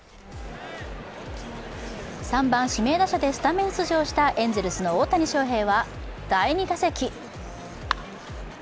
３番・指名打者でスタメン出場したエンゼルスの大谷翔平は第２打席。